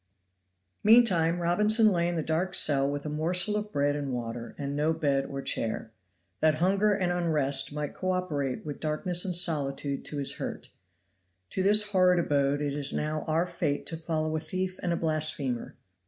Meantime Robinson lay in the dark cell with a morsel of bread and water, and no bed or chair, that hunger and unrest might co operate with darkness and solitude to his hurt. To this horrid abode it is now our fate to follow a thief and a blasphemer.